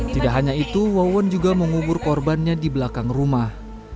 tidak hanya itu wawon juga mengubur korbannya di belakang rumah